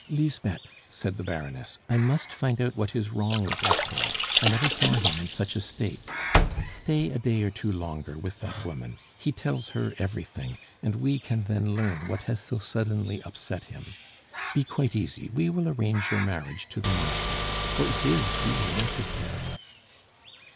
"Lisbeth," said the Baroness, "I must find out what is wrong with Hector; I never saw him in such a state. Stay a day or two longer with that woman; he tells her everything, and we can then learn what has so suddenly upset him. Be quite easy; we will arrange your marriage to the Marshal, for it is really necessary."